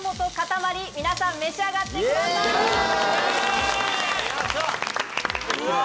皆さん召し上がってください。